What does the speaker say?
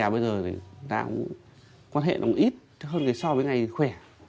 bạn bè bây giờ thì ta cũng quan hệ nó cũng ít hơn so với ngày khỏe